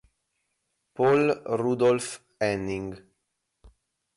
Paul Rudolf Henning